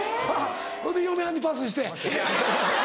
ほいで嫁はんにパスして。